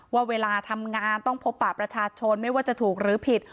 ว่าเวลาทำงานต้องพบปะประชาชนไม่ว่าจะถูกหรือผิด